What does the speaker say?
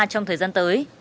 trong thời gian tới